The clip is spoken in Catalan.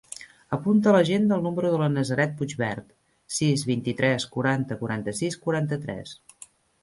Apunta a l'agenda el número de la Nazaret Puigvert: sis, vint-i-tres, quaranta, quaranta-sis, quaranta-tres.